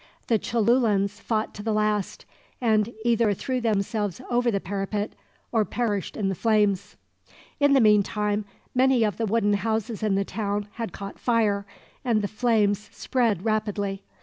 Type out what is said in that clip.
The Cholulans fought to the last, and either threw themselves over the parapet, or perished in the flames. In the meantime, many of the wooden houses in the town had caught fire, and the flames spread rapidly.